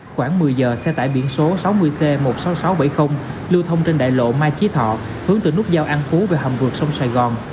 khoảng một mươi giờ xe tải biển số sáu mươi c một mươi sáu nghìn sáu trăm bảy mươi lưu thông trên đại lộ mai chí thọ hướng từ nút giao an phú về hầm vượt sông sài gòn